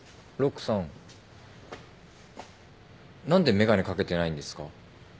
何で眼鏡掛けてないんですか？